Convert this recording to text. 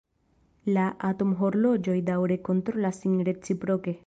La atomhorloĝoj daŭre kontrolas sin reciproke.